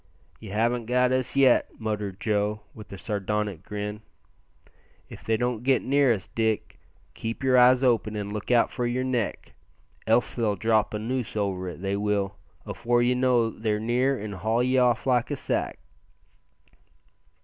"Ye haven't got us yet," muttered Joe, with a sardonic grin. "If they get near us, Dick, keep yer eyes open an' look out for yer neck, else they'll drop a noose over it, they will, afore ye know they're near, an' haul ye off like a sack."